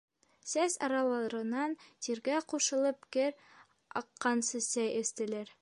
Сәс араларынан тиргә ҡушылып кер аҡҡансы сәй эстеләр.